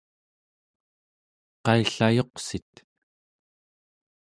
qaill’ ayuqsit?